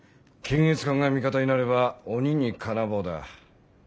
検閲官が味方になれば鬼に金棒だ。